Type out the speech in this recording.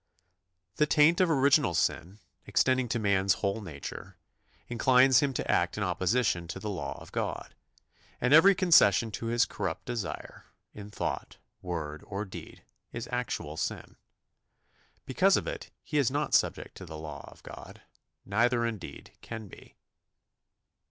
" The taint of original sin, extending to man's whole nature, inclines him to act in opposition to the law of God, and every concession to his corrupt desire, in thought, word, or deed, is actual sin. Because of it he is not subject to the law of God, neither, indeed, can be.